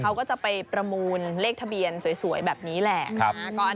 เขาก็จะไปประมูลเลขทะเบียนสวยแบบนี้แหละ